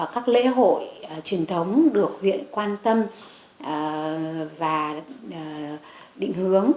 các lễ hội truyền thống được huyện quan tâm và định hướng